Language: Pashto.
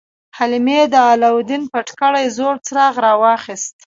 حلیمې د علاوالدین پټ کړی زوړ څراغ راواخیست.